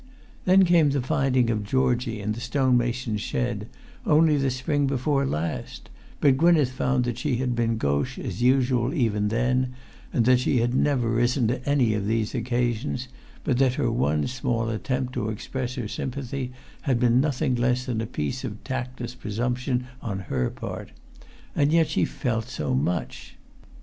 Then came the finding of Georgie in the stonemason's shed, only the spring before last; but Gwynneth found that she had been gauche as usual even then, that she had never risen to any of these occasions, but that her one small attempt to express her sympathy had been nothing less than a piece of tactless presumption on her part. And yet she felt so much!